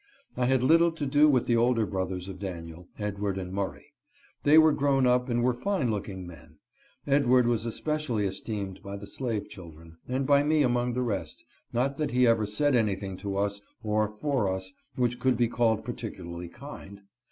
I had little to do with the older brothers of Daniel — Edward and Murray. They were grown up and were fine looking men. Edward was especially esteemed by the slave children, and by me among the rest — not that he ever said anything to us or for us which could be called particularly kind.